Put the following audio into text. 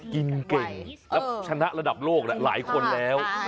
กินเก่งแล้วชนะระดับโลกหลายคนแล้ว